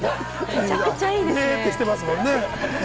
ベってしてますもんね。